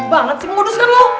banget sih mudus kan lo